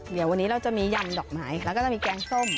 เดี๋ยววันนี้เราจะมียำดอกไม้แล้วก็จะมีแกงส้ม